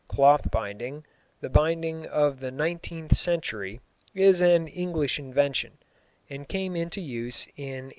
Cloth binding, the binding of the nineteenth century, is an English invention, and came into use in 1823.